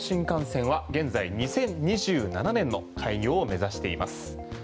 中央新幹線は現在２０２７年の開業を目指しています。